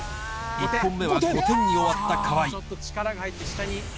１本目は５点に終わった河合。